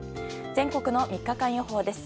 全国の３日間予報です。